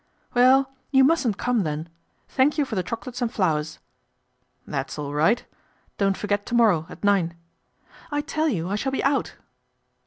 'Well! you mustn't come, then. Thank you for the chocolates and flowers." ' That's all right. Don't forget to morrow at*, nine." " I tell you I shall be out."